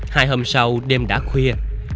hai hôm sau đêm đã khuya